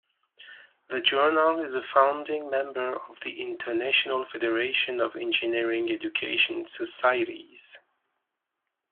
The journal is a founding member of the International Federation of Engineering Education Societies.